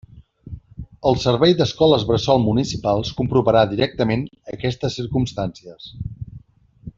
El Servei d'Escoles Bressol Municipals comprovarà directament aquestes circumstàncies.